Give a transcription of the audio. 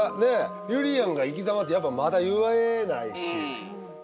ゆりやんが生きざまってやっぱまだ言えないし。